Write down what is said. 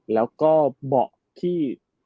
แล้วก็เบาะที่